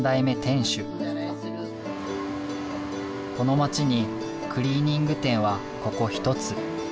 この町にクリーニング店はここ１つ。